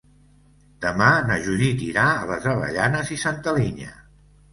Demà na Judit irà a les Avellanes i Santa Linya.